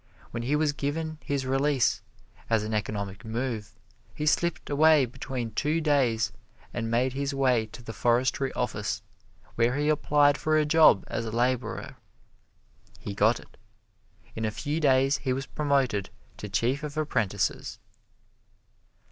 When he was given his release, as an economic move, he slipped away between two days and made his way to the Forestry Office, where he applied for a job as laborer. He got it. In a few days he was promoted to chief of apprentices.